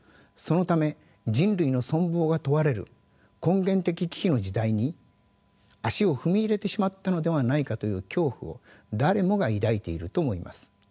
そのため人類の存亡が問われる根源的危機の時代に足を踏み入れてしまったのではないかという恐怖を誰もが抱いていると思います。